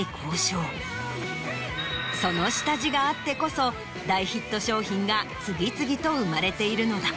その下地があってこそ大ヒット商品が次々と生まれているのだ。